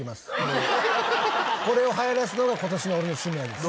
これを流行らすのが今年の俺の使命です。